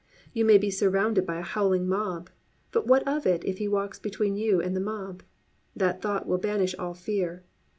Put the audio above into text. You may be surrounded by a howling mob. But what of it if He walks between you and the mob? That thought will banish all fear.